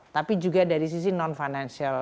tapi juga dari sisi non financial